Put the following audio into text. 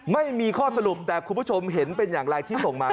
ไม่มีข้อสรุปแต่คุณผู้ชมเห็นเป็นอย่างไรที่ส่งมา